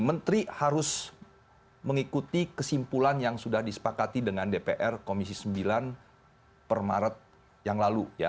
menteri harus mengikuti kesimpulan yang sudah disepakati dengan dpr komisi sembilan per maret yang lalu